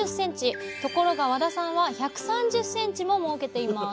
ところが和田さんは１３０ｃｍも設けています。